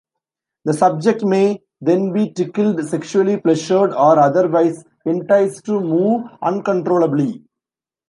The subject may then be tickled, sexually pleasured or otherwise enticed to move uncontrollably.